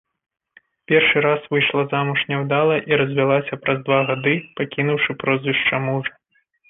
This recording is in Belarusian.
Першы раз выйшла замуж няўдала і развялася праз два гады, пакінуўшы прозвішча мужа.